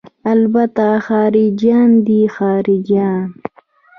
الته خارجيان دي خارجيان.